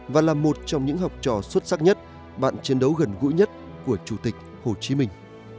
và là một trong những học trò xuất sắc nhất bạn chiến đấu gần gũi nhất của chủ tịch hồ chí minh